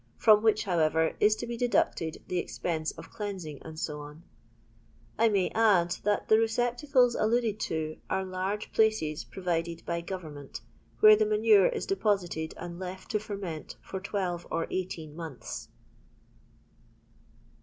from which, however, is to be deducted the expense of deansing, &c I may add, that the receptacles •Unded to are large places provided by Qovem ment, where the manure is deposited and left to lannent for twelve or eighteen months.